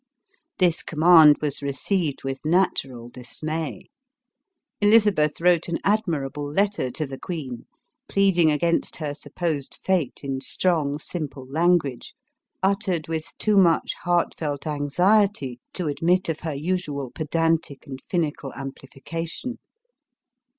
This command was received with natural dismay. Eliza beth wrote an admirable letter to the queen, pleading against her supposed fate in strong simple language, uttered with too much heartfelt anxiety, to admit of her usual pedantic and finical amplification.